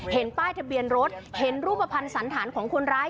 ป้ายทะเบียนรถเห็นรูปภัณฑ์สันฐานของคนร้าย